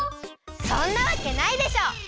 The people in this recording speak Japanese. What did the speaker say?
そんなわけないでしょ！